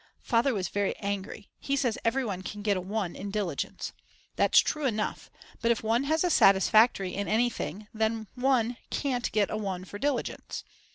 Father was very angry; he says everyone can get a 1 in diligence. That's true enough, but if one has satisfactory in anything then one can't get a 1 for diligence.